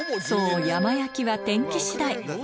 そう、山焼きは天気しだい。